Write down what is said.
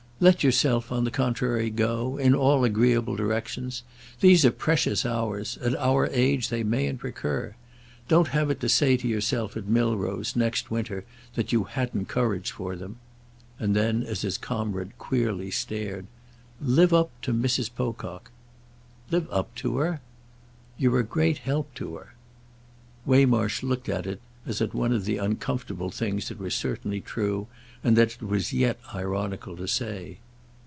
"Let yourself, on the contrary, go—in all agreeable directions. These are precious hours—at our age they mayn't recur. Don't have it to say to yourself at Milrose, next winter, that you hadn't courage for them." And then as his comrade queerly stared: "Live up to Mrs. Pocock." "Live up to her?" "You're a great help to her." Waymarsh looked at it as at one of the uncomfortable things that were certainly true and that it was yet ironical to say.